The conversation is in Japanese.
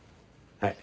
はい。